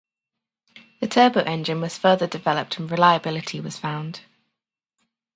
The turbo engine was further developed and reliability was found.